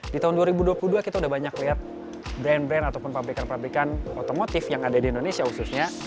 di tahun dua ribu dua puluh dua kita udah banyak lihat brand brand ataupun pabrikan pabrikan otomotif yang ada di indonesia khususnya